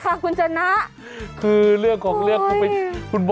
คุณอาจจะไม่เหลืออะไรแบบนี้เลย